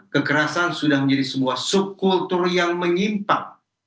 kekerasan sudah menjadi sebuah subkultur yang menyimpang